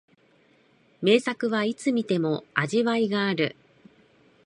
名作はいつ観ても味わいがある